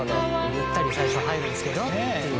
「ゆったり最初入るんですけどっていう」